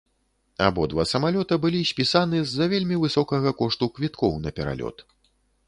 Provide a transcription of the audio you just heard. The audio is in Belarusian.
Абодва самалёта былі спісаны з-за вельмі высокага кошту квіткоў на пералёт.